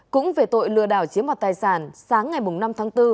cũng về tội lừa đảo chiếm hoạt tài sản sáng ngày năm tháng bốn